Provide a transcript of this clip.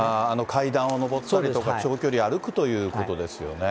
階段を上ったりとか、長距離歩くということですよね。